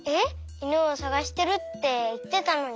いぬをさがしてるっていってたのに。